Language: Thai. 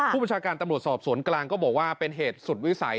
ประชาการตำรวจสอบสวนกลางก็บอกว่าเป็นเหตุสุดวิสัย